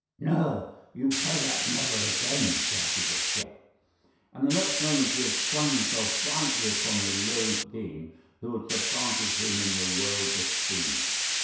"'Noh! You play thot never again,' shouted the CHEF, and the next moment he had flung himself violently upon the loathed being who had supplanted him in the world's esteem.